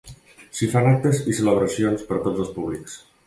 S'hi fan actes i celebracions per a tots els públics.